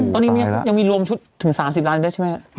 ตอนนี้ยังมีรวมชุดถึง๓๐ล้านบาทได้นะไหม